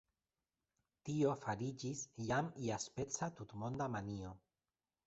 Tio fariĝis jam iaspeca tutmonda manio.